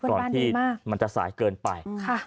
ก่อนที่มันจะสายเกินไป